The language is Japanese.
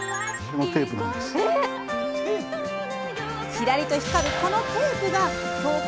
きらりと光るこのテープが京こ